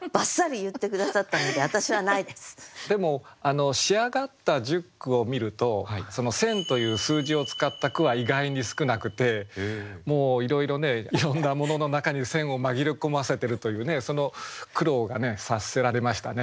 もう全くでもあの仕上がった十句を見ると「千」という数字を使った句は意外に少なくてもういろいろねいろんなものの中に「千」を紛れ込ませてるというねその苦労がね察せられましたね。